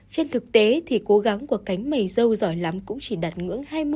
trên thực tế thì cố gắng của cánh mầy dâu giỏi lắm cũng chỉ đạt ngưỡng hai mươi